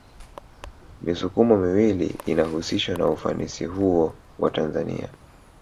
Misukumo miwili inahusishwa na ufanisi huo wa Tanzania